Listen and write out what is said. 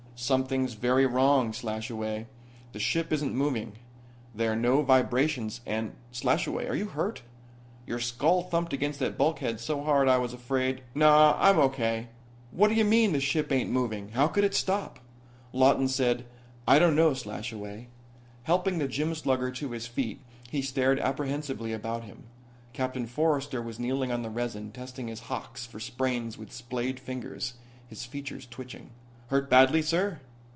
"Something's very wrong, Slashaway. The ship isn't moving. There are no vibrations and Slashaway, are you hurt? Your skull thumped against that bulkhead so hard I was afraid " "Naw, I'm okay. Whatd'ya mean, the ship ain't moving? How could it stop?" Lawton said. "I don't know, Slashaway." Helping the gym slugger to his feet he stared apprehensively about him. Captain Forrester was kneeling on the resin testing his hocks for sprains with splayed fingers, his features twitching. "Hurt badly, sir?"